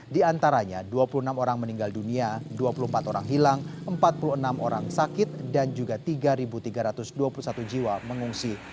di antaranya dua puluh enam orang meninggal dunia dua puluh empat orang hilang empat puluh enam orang sakit dan juga tiga tiga ratus dua puluh satu jiwa mengungsi